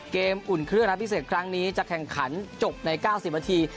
เกมอุ่นเครื่องรัฐพิเศษครั้งนี้จะแข่งขันจบในเก้าสิบมันที